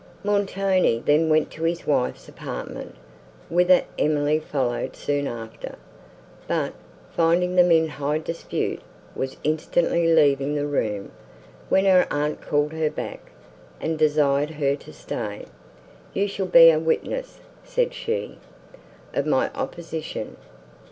Montoni then went to his wife's apartment, whither Emily followed soon after, but, finding them in high dispute, was instantly leaving the room, when her aunt called her back, and desired her to stay.—"You shall be a witness," said she, "of my opposition.